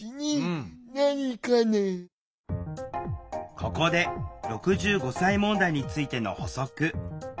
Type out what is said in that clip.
ここで６５歳問題についての補足。